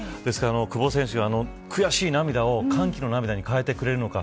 久保選手、悔し涙を歓喜の涙に変えてくれるのか。